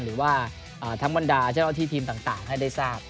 หรือว่าทั้งบรรดาเจ้าหน้าที่ทีมต่างให้ได้ทราบ